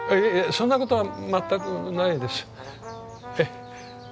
そんなことは全くないです。